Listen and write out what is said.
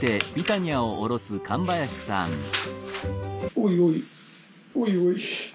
おいおいおいおい。